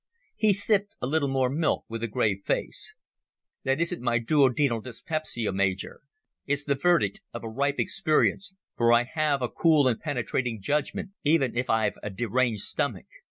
He sipped a little more milk with a grave face. "That isn't my duodenal dyspepsia, Major. It's the verdict of a ripe experience, for I have a cool and penetrating judgement, even if I've a deranged stomach.